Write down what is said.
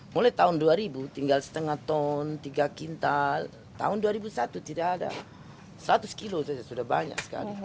mulai tahun dua ribu tinggal setengah ton tiga kintal tahun dua ribu satu tidak ada seratus kilo sudah banyak sekali